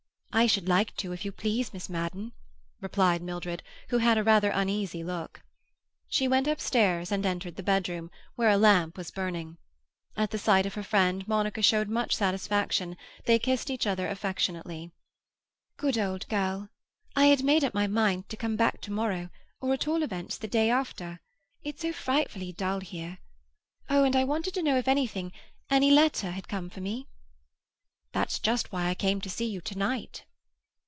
"I should like to, if you please, Miss Madden," replied Mildred, who had a rather uneasy look. She went upstairs and entered the bedroom, where a lamp was burning. At the sight of her friend Monica showed much satisfaction; they kissed each other affectionately. "Good old girl! I had made up my mind to come back to morrow, or at all events the day after. It's so frightfully dull here. Oh, and I wanted to know if anything—any letter—had come for me." "That's just why I came to see you to night."